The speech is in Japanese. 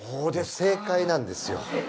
正解なんですよ。